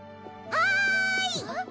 はい！